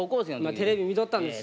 テレビ見とったんですよ。